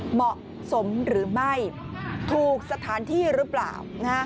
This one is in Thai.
เหมาะสมหรือไม่ถูกสถานที่หรือเปล่า